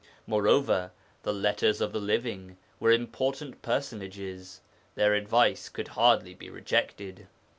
Moreover, the 'Letters of the Living' were important personages; their advice could hardly be rejected.